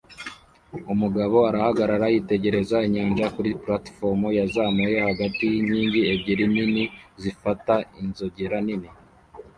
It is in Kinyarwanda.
Umugabo arahagarara yitegereza inyanja kuri platifomu yazamuye hagati yinkingi ebyiri nini zifata inzogera nini